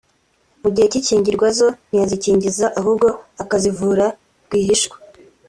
mu gihe cy’ikingirwa zo ntiyazikingiza ahubwo akazivura rwihishwa